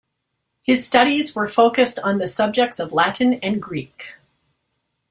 His studies were focused on the subjects of Latin and Greek.